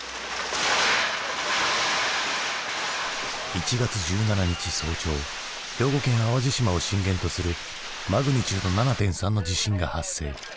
１月１７日早朝兵庫県淡路島を震源とするマグニチュード７．３の地震が発生。